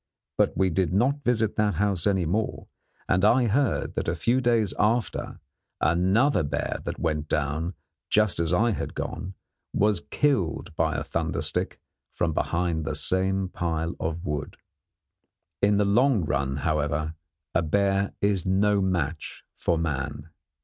But we did not visit that house any more, and I heard that a few days after another bear that went down just as I had gone was killed by a thunder stick from behind the same pile of wood. In the long run, however, a bear is no match for man.